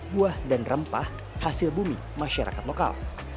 buah dan rempah hasil bumi masyarakat lokal